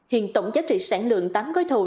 hiện tổng giá trị sản lượng tám gói thầu